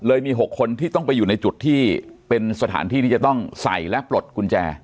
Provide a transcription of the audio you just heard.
มี๖คนที่ต้องไปอยู่ในจุดที่เป็นสถานที่ที่จะต้องใส่และปลดกุญแจ